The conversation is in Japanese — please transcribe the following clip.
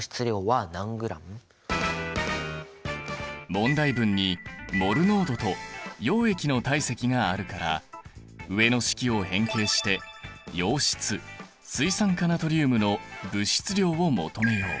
問題文にモル濃度と溶液の体積があるから上の式を変形して溶質水酸化ナトリウムの物質量を求めよう。